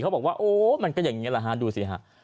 บอกว่าโอ้มันก็อย่างนี้แหละฮะดูสิฮะ